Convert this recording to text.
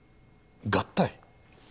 合体？